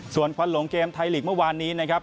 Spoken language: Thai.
ส่วนควันหลงเกมไทยลีกเมื่อวานนี้นะครับ